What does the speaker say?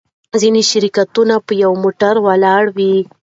ځینې شرکتونه په یوه موټر ولاړ وي.